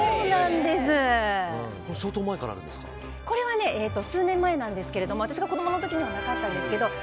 これは数年前なんですけど私が子供の時にはなかったんですけど